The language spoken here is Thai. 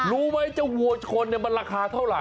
รู้ไหมเจ้าวัวชนมันราคาเท่าไห